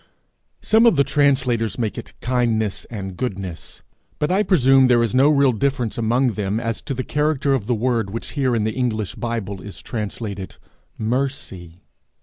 Some of the translators make it kindness and goodness; but I presume there is no real difference among them as to the character of the word which here, in the English Bible, is translated mercy.